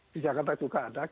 di jakarta juga ada